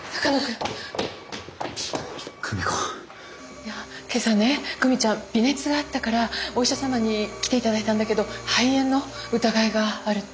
いや今朝ね久美ちゃん微熱があったからお医者様に来ていただいたんだけど肺炎の疑いがあるって。